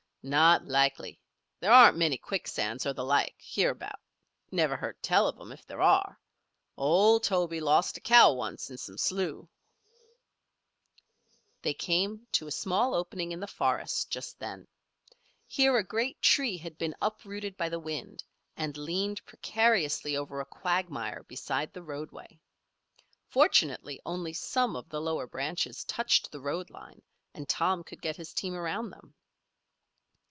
"Not likely. There aren't many quicksands, or the like, hereabout. Never heard tell of 'em, if there are. Old Tobe lost a cow once in some slough." They came to a small opening in the forest just then. Here a great tree had been uprooted by the wind and leaned precariously over a quagmire beside the roadway. Fortunately only some of the lower branches touched the road line and Tom could get his team around them.